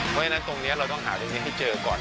เพราะฉะนั้นตรงนี้เราต้องหาตรงนี้ให้เจอก่อน